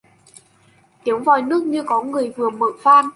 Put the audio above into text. Tiếng vòi nước như có người vừa mở van